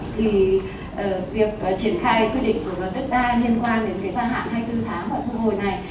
thì việc triển khai quyết định của đất đa liên quan đến gia hạn hai mươi bốn tháng và thu hồi này